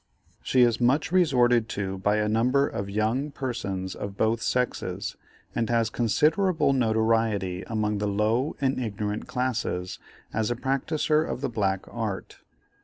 She is much resorted to by a number of young persons of both sexes, and has considerable notoriety among the low and ignorant classes as a practiser of the black art.